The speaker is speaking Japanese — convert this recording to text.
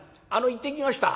「行ってきました」。